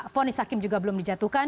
fonis hakim juga belum dijatuhkan